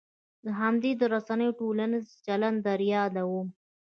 د همدې رسنیو ټولنیز چلن در یادوم.